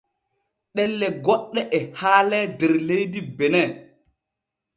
Ɗelle goɗɗe e haalee der leydi Bene.